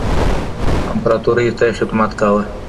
امپراطورۍ ته یې خدمت کاوه